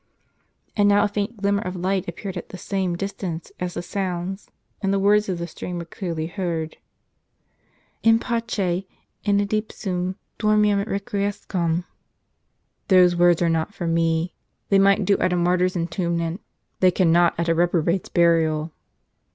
" And now a faint glimmer of light appeared at the same distance as the sounds; and the words of the strain were clearly heard :" In pace, in idipsum, dormiam et requiescam." *" Those words are not for me. They might do at a mar tyr's entombment ; they cannot at a reprobate's burial."